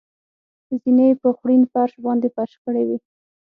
زېنې یې په خوړین فرش باندې فرش کړې وې.